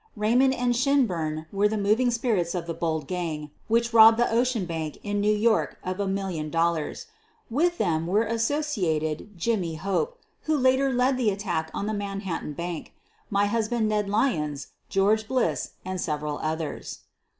Raymond and Shinburn were the moving spirits 58 SOPHIE LYONS of the bold gang which robbed the Ocean Bank in New York of a million dollars. With them were associated Jimmy Hope, who later led the attack on the Manhattan Bank; my hnsband, Ned Lyons, Gteorge Bliss, and several others.